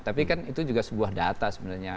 tapi kan itu juga sebuah data sebenarnya